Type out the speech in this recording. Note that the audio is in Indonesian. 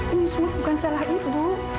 ini semua bukan salah ibu